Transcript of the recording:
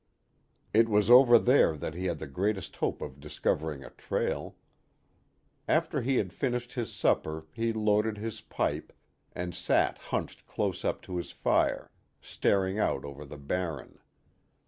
It was over there that he had the greatest hope of discovering a trail. After he had finished his supper he loaded his pipe, and sat hunched close up to his fire, staring out over the Barren.